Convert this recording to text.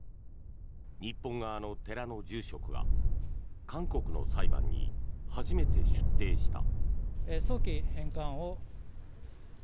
日本側の寺の住職が韓国の裁判に初めて出廷した。